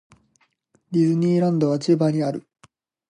ディズニーランドは千葉にある。